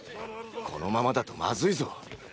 このままだとまずいぞ。